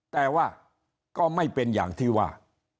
แต่ว่าก็ไม่เป็นอย่างที่ว่า